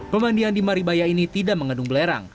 pemandian di maribaya ini tidak mengandung belerang